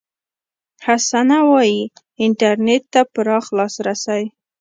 حسنه وايي، انټرنېټ ته پراخ لاسرسي